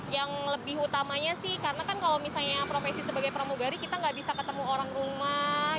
yang lebih utamanya sih karena kan kalau misalnya profesi sebagai pramugari kita nggak bisa ketemu orang rumah